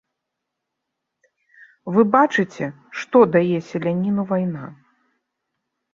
Вы бачыце, што дае селяніну вайна.